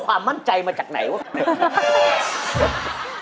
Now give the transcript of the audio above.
ข้ามั่นใจมาจากในวะ